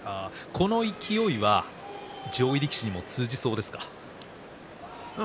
この勢いは上位力士にも通用しそうですか？